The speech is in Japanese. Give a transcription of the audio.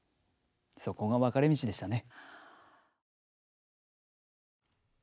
そこが分かれ道でしたね。